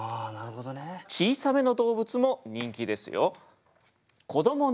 小さめの動物も人気ですよ。